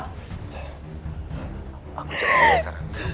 aku jalan dulu sekarang